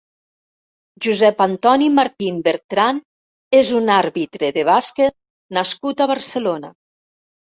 Josep Antoni Martín Bertrán és un àrbitre de bàsquet nascut a Barcelona.